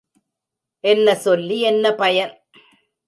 என்ன சொல்வி என்ன பயன்?